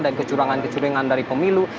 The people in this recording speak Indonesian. dan kecurangan kecurangan dari pemilu